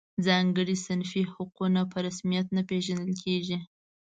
ځانګړي صنفي حقونه په رسمیت نه پېژندل.